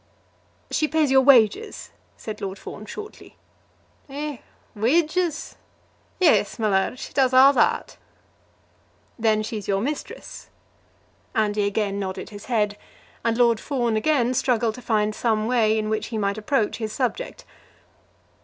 "She pays you your wages?" said Lord Fawn shortly. "Eh; wages! Yes, my laird; she does a' that." "Then she's your mistress." Andy again nodded his head, and Lord Fawn again struggled to find some way in which he might approach his subject.